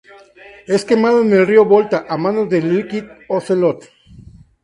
Es quemado en el Río Volta, a manos de Liquid Ocelot.